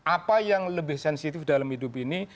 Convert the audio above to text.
apa yang lebih sensitif dalam hidup ini